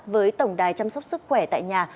với tổng đài chăm sóc sức khỏe tại nhà